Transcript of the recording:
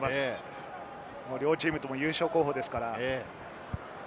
両チームとも優勝候補ですから。